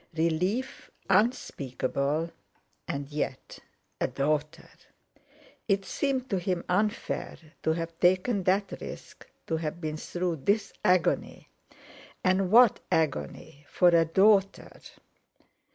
Relief unspeakable, and yet—a daughter! It seemed to him unfair. To have taken that risk—to have been through this agony—and what agony!—for a daughter!